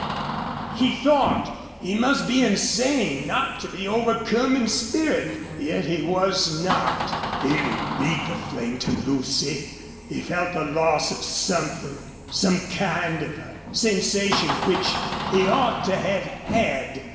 He thought he must be insane not to be overcome in spirit. Yet he was not. He would beat the flame to Lucy. He felt the loss of something, some kind of a sensation which he ought to have had.